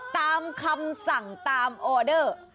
ตามคำสั่งตามออเดอร์